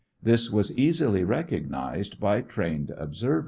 This was easily recognized by trained observers.